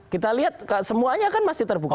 kita lihat semuanya kan masih terbuka